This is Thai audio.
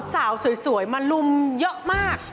สาวสวยมาลุมเยอะมาก